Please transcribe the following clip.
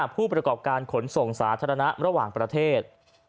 ผู้ประกอบการขนส่งสาธารณะระหว่างประเทศ